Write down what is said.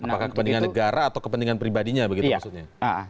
apakah kepentingan negara atau kepentingan pribadinya begitu maksudnya